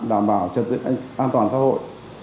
đảm bảo trật diện an toàn xã hội